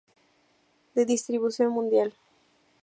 De distribución mundial.